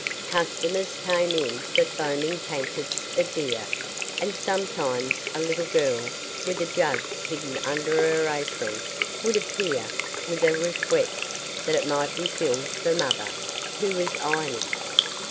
Customers came in for foaming tankards of beer, and sometimes a little girl, with a jug hidden under her apron, would appear, with a request that it might be filled for 'mother', who was ironing.